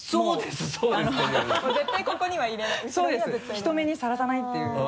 人目にさらさないっていう。